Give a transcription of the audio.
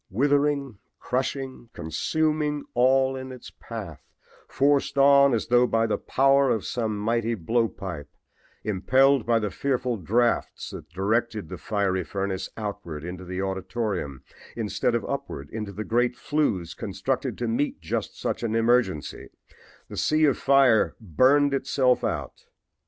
Withering, crushing, consuming all in its path, forced on as though by the power of some mighty blow pipe, impelled by the fearful drafts that directed the fiery furnace outward into the auditorium instead of upward into the great flues constructed to meet just such an emergency, the sea of fire burned itself out.